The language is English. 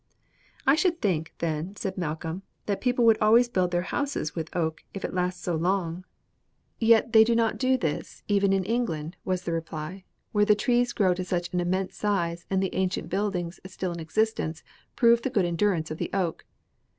"I should think, then," said Malcolm, "that people would always build their houses with oak if it lasts so long." "Yet they do not do this even in England," was the reply, "where the trees grow to such an immense size and the ancient buildings still in existence prove the great endurance of the oak.